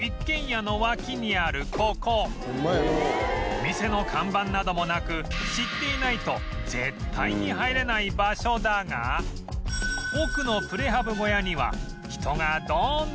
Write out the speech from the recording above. お店の看板などもなく知っていないと絶対に入れない場所だが奥のプレハブ小屋には人がどんどん入っていく